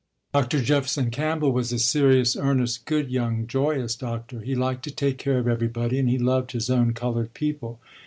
Dr. Jefferson Campbell was a serious, earnest, good young joyous doctor. He liked to take care of everybody and he loved his own colored people.